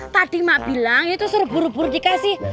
tadi emak bilang itu seru buru buru dikasih